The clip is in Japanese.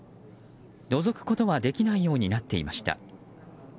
のぞくことはできないようになっていました。